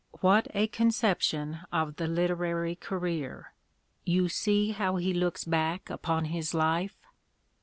What a conception of the literary career! You see how he looks back upon his life?